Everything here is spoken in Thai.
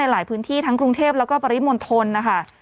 หลายพื้นที่ทั้งกรุงเทพแล้วก็ปริมณฑลนะคะ